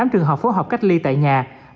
bảy mươi tám trường hợp phối hợp cách ly tại nhà